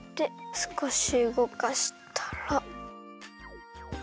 すこしうごかしたら。